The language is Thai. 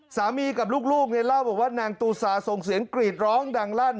สามีกับลูกเนี่ยเล่าบอกว่านางตูซาส่งเสียงกรีดร้องดังลั่น